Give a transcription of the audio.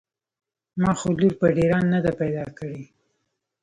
ما خو لور په ډېران نده پيدا کړې.